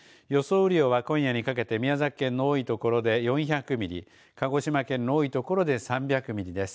雨量は今夜にかけて宮崎県の多いところで４００ミリ、鹿児島県の多いところで３００ミリです。